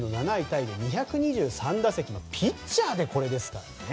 タイで２２３打席ピッチャーでこれですから。